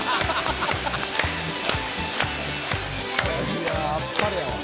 いやあっぱれやわ。